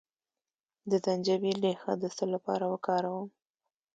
د زنجبیل ریښه د څه لپاره وکاروم؟